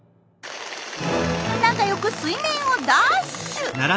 仲良く水面をダーッシュ！